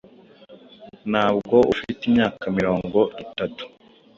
Ntabwo ufite imyaka mirongo itatu